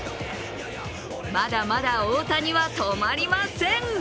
まだまだ大谷は止まりません。